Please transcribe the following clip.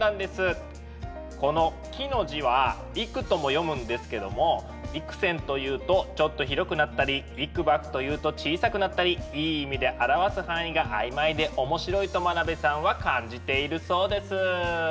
この幾の字は幾とも読むんですけども幾千というとちょっと広くなったり幾ばくというと小さくなったりいい意味で表す範囲が曖昧で面白いと真鍋さんは感じているそうです。